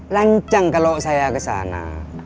lancang kalau saya kesana